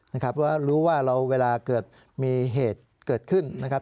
เพราะว่ารู้ว่าเราเวลาเกิดมีเหตุเกิดขึ้นนะครับ